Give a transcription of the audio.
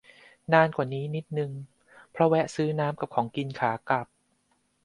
นานกว่านี้นิดนึง เพราะแวะซื้อน้ำกับของกินขากลับ